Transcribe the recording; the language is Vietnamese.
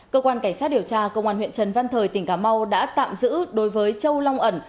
cơ quan cảnh sát điều tra công an huyện trần văn thời tỉnh cà mau đã tạm giữ đối với châu long ẩn